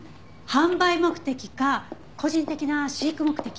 販売目的か個人的な飼育目的。